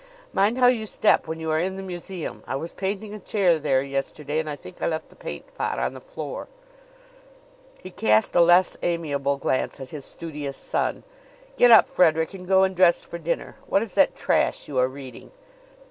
Mind how you step when you are in the museum. I was painting a chair there yesterday and I think I left the paint pot on the floor." He cast a less amiable glance at his studious son. "Get up, Frederick, and go and dress for dinner. What is that trash you are reading?"